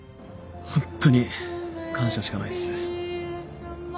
ホントに感謝しかないっす